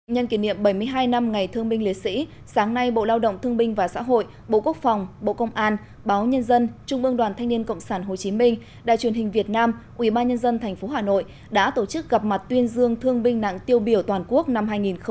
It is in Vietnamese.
nhân kỷ niệm bảy mươi hai năm ngày thương binh liệt sĩ sáng nay bộ lao động thương binh và xã hội bộ quốc phòng bộ công an báo nhân dân trung ương đoàn thanh niên cộng sản hồ chí minh đài truyền hình việt nam ubnd tp hà nội đã tổ chức gặp mặt tuyên dương thương binh nặng tiêu biểu toàn quốc năm hai nghìn hai mươi